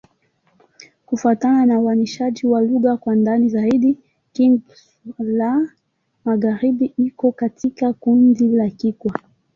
Kufuatana na uainishaji wa lugha kwa ndani zaidi, Kigbe-Xwla-Magharibi iko katika kundi la Kikwa.